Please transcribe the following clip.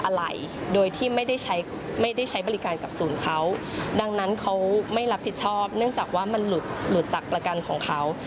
หลุดจากประกันของเขา